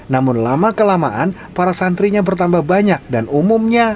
namun lama kelamaan para santrinya bertambah banyak dan umumnya